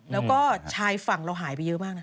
แล้วก็ชายฝั่งเราหายไปเยอะมากนะ